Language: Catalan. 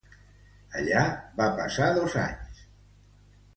Allà va passar dos anys.